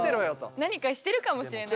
何かしてるかもしれない。